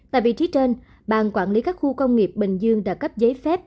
tại vị trí trên bàn quản lý các khu công nghiệp bình dương đã cấp giấy phép